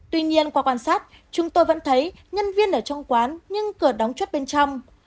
tuy nhiên qua quan sát chúng tôi vẫn thấy nhân viên ở trong quán nhưng cửa đóng chốt bên trong